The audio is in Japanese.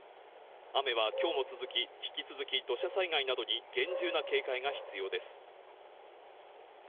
雨はきょうも続き、引き続き土砂災害などに厳重な警戒が必要です。